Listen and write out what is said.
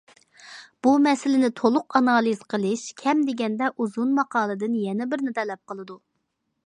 بۇ مەسىلىنى تولۇق ئانالىز قىلىش، كەم دېگەندە ئۇزۇن ماقالىدىن يەنە بىرنى تەلەپ قىلىدۇ.